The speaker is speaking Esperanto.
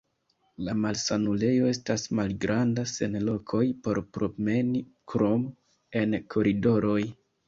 La malsanulejo estas malgranda, sen lokoj por promeni krom en koridoroj.